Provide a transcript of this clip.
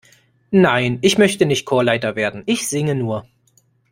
Nein, ich möchte nicht Chorleiter werden, ich singe nur.